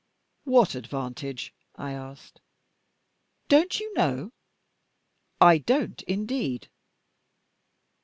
"What advantage?" I asked. "Don't you know?" "I don't indeed."